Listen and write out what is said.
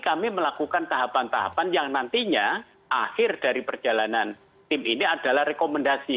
kami melakukan tahapan tahapan yang nantinya akhir dari perjalanan tim ini adalah rekomendasi